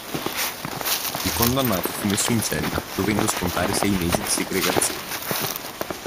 Il condannato fu messo in cella, dovendo scontare sei mesi di segregazione.